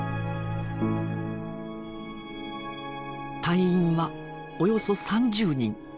隊員はおよそ３０人。